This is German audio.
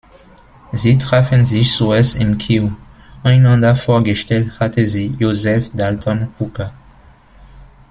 Sie trafen sich zuerst in Kew; einander vorgestellt hatte sie Joseph Dalton Hooker.